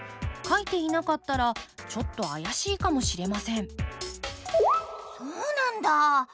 書いていなかったらちょっと怪しいかもしれませんそうなんだ！